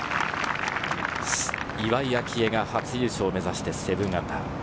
岩井明愛が初優勝を目指して−７。